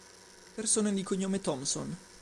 Persone di cognome Thomson